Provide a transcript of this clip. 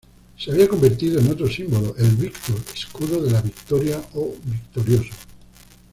Se había convertido en otro símbolo: el Víctor, Escudo de la Victoria o Victorioso.